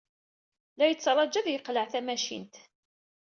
La yettṛaju ad yeqleɛ tmacint.